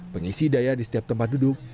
pengisi daya di setiap tempat duduk